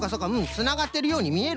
つながってるようにみえるな。